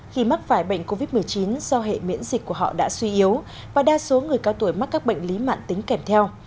khi mắc phải bệnh covid một mươi chín do hệ miễn dịch của họ đã suy yếu và đa số người cao tuổi mắc các bệnh lý mạng tính kèm theo